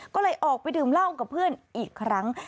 ก็เลยออกไปดื่มเหล้ากับเพื่อนอีกครั้ง